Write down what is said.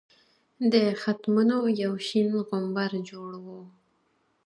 د ختمونو یو شین غومبر جوړ وو.